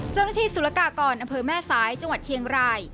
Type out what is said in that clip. เจ้าหน้าที่สูรกากรแอมสายแม่ชายจังหวัดเชียงราย